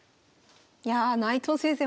いや内藤先生